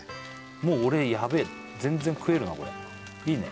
もう俺ヤベエ全然食えるなこれいいね？